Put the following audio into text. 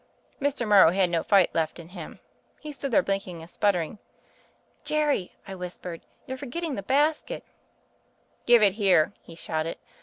Morrow had no fight left in him : he stood there blinking and sputtering. 'Jerry,' I whispered, 'you're forget tmg the basket.' 'Give it here,' he shouted.